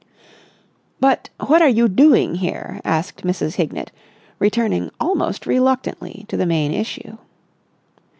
"But what are you doing here?" asked Mrs. Hignett, returning almost reluctantly to the main issue.